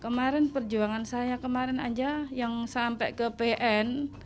kemarin perjuangan saya kemarin aja yang sampai ke pn